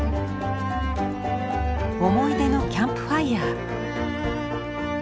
思い出のキャンプファイア。